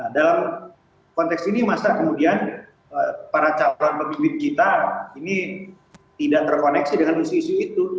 dalam konteks ini masa kemudian para calon pemimpin kita ini tidak terkoneksi dengan isu isu itu